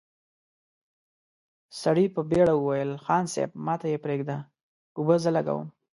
سړي په بېړه وويل: خان صيب، ماته يې پرېږده، اوبه زه لګوم!